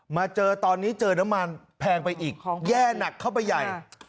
มาเจอตอนนี้เจอน้ำมันแพงไปอีกแย่หนักเข้าไปใหญ่